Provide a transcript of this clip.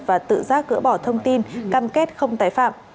và tự giác gỡ bỏ thông tin cam kết không tái phạm